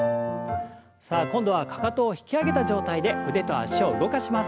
さあ今度はかかとを引き上げた状態で腕と脚を動かします。